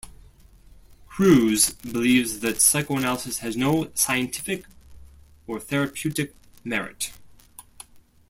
Crews believes that psychoanalysis has no scientific or therapeutic merit.